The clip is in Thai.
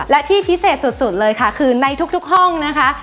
และที่พิเศษสุดเลยค่ะคือในทุกห้องนะคะ